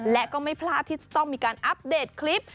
และก็ไม่พลาดที่จะต้องมีการอัปเดตคลิป